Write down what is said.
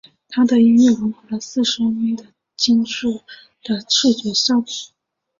他的音乐会融合了四声音和精致的视觉效果。